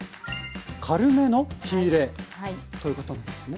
「軽めの火入れ」ということなんですね？